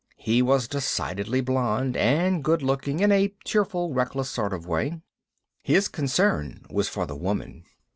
He was decidedly blond, and good looking in a cheerful, reckless sort of way. His concern was for the woman.